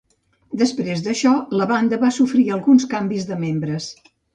Després d'això, la banda va sofrir alguns canvis de membres.